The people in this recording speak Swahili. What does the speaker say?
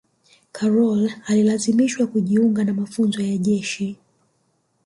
karol alilazimishwa kujiunga na mafunzo ya jeshi